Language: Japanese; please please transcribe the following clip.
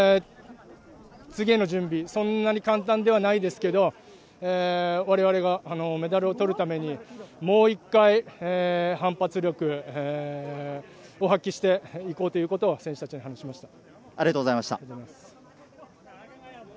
次への準備、そんなに簡単ではないですけど、われわれがメダルをとるために、もう一回反発力を発揮していこうということを、選手たちに話しまありがとうございました。